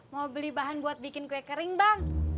mau beli bahan buat bikin kue kering bang